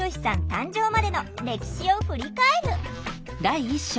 誕生までの歴史を振り返る！